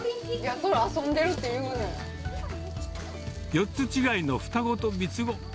それ、４つ違いの双子と三つ子。